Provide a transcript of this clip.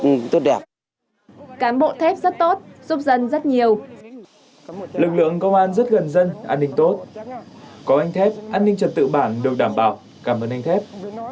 có anh thép an ninh trật tự bản được đảm bảo cảm ơn anh thép